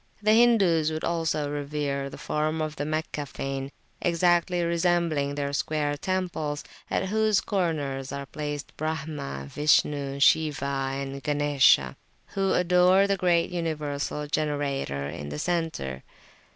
The Hindus would also revere the form of the Meccan fane, exactly resembling their square temples, at whose corners are placed Brahma, Vishnu, Shiwa and Ganesha, who adore the great Universal Generator in the centre.